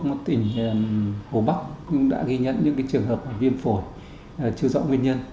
một tỉnh hồ bắc cũng đã ghi nhận những trường hợp viêm phổi chưa rõ nguyên nhân